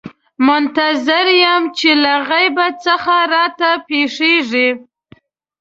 منتظر یم چې له غیبه څه راته پېښېږي.